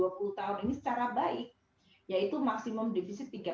yang telah menjaga indonesia selama lebih dari dua puluh tahun ini secara baik yaitu maksimum defisit tiga